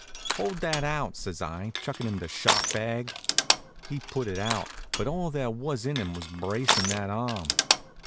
"Hold that out," says I, chuckin' him the shot bag. He put it out; but all there was in him was bracin' that arm.